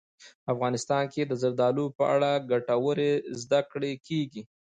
افغانستان کې د زردالو په اړه ګټورې زده کړې کېږي.